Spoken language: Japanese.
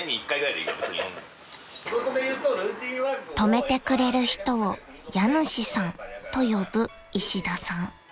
［泊めてくれる人を「家主さん」と呼ぶ石田さん］